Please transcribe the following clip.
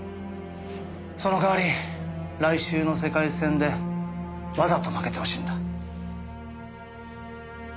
その代わり来週の世界戦でわざと負けてほしいんだ。